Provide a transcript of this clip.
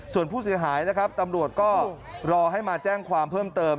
ส่วนผู้เสียหายนะครับตำรวจก็รอให้มาแจ้งความเพิ่มเติม